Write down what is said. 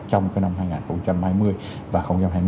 trong cái năm hai nghìn hai mươi và hai nghìn hai mươi một